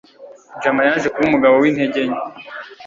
jama yaje kuba umugabo wintege nke